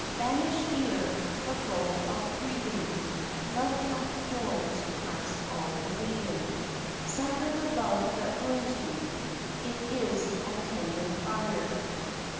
Banish fear, forgo all grieving : Love hath joys past all believing. Suffer the love that wounds you : It is a tender fire.'